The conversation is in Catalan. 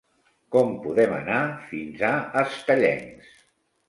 Com podem anar fins a Estellencs?